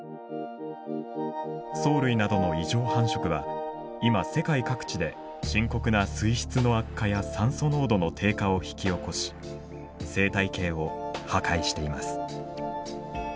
藻類などの異常繁殖は今世界各地で深刻な水質の悪化や酸素濃度の低下を引き起こし生態系を破壊しています。